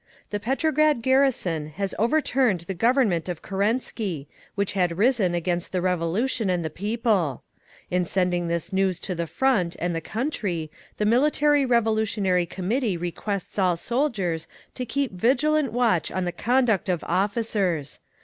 "The Petrograd garrison has overturned the Government of Kerensky, which had risen against the Revolution and the People…. In sending this news to the Front and the country, the Military Revolutionary Committee requests all soldiers to keep vigilant watch on the conduct of officers.